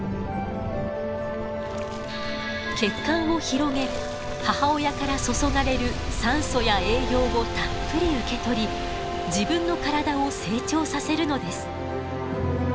血管を広げ母親から注がれる酸素や栄養をたっぷり受け取り自分の体を成長させるのです。